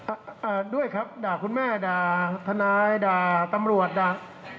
อ่าด้วยครับด่าคุณแม่ด่าทนายด่าตำรวจด่า